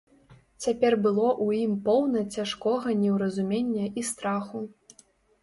Цяпер было ў ім поўна цяжкога неўразумення і страху.